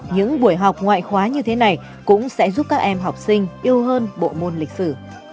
những buổi học ngoại khóa như thế này cũng sẽ giúp các em học sinh yêu hơn bộ môn lịch sử